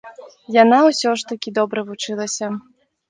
Яна ўсё ж такі добра вучылася.